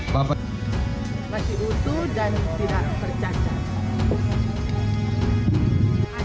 bapak masih utuh dan tidak bercacat